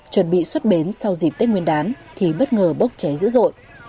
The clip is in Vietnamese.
chuẩn bị xuất bến sau dịp tết nguyên đán thì bất ngờ bốc cháy dữ dội